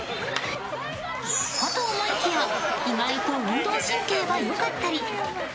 かと思いきや意外と運動神経は良かったり。